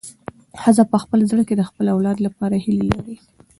ښځه په خپل زړه کې د خپل اولاد لپاره هیلې لري.